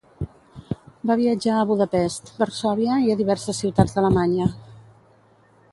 Va viatjar a Budapest, Varsòvia i a diverses ciutats d'Alemanya.